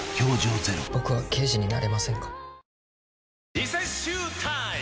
リセッシュータイム！